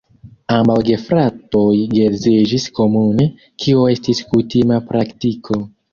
Ambaŭ gefratoj geedziĝis komune, kio estis kutima praktiko.